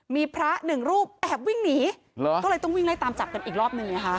มีพระหนึ่งรูปแอบวิ่งหนีก็เลยต้องวิ่งไล่ตามจับกันอีกรอบหนึ่งไงคะ